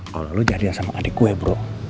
kalau lo jadilah sama adik gue bro